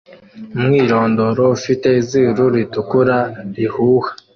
Umwirondoro ufite izuru ritukura rihuha